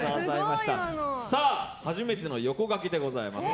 初めての横書きでございます。